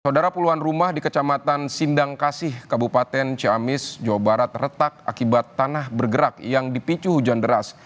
saudara puluhan rumah di kecamatan sindang kasih kabupaten ciamis jawa barat retak akibat tanah bergerak yang dipicu hujan deras